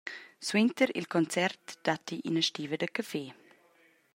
Suenter il concert datti ina stiva da caffé.